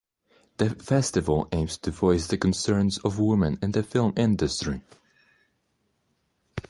The festival aims to voice the concerns of women in the film industry.